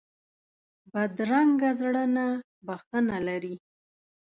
بدرنګه زړه نه بښنه لري